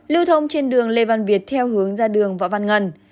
lưu thông trên đường lê văn việt theo hướng ra đường võ văn ngân